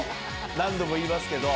何度も言いますけど。